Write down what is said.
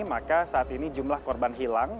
maka saat ini jumlah korban hilang